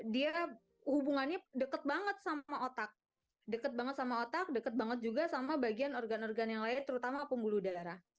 dia hubungannya deket banget sama otak dekat banget sama otak dekat banget juga sama bagian organ organ yang lain terutama pembuluh darah